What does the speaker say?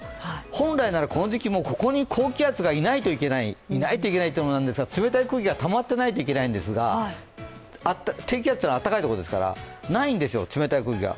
本来なら、この時期はここに高気圧がいないといけないっていうのもなんですが冷たい空気がたまっていないといけないんですが、低気圧はあったかいところですからないんですよ、冷たい空気が。